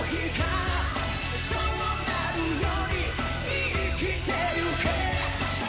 「そうなるように生きてゆけ」